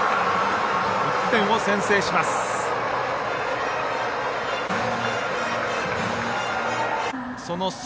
１点を先制します。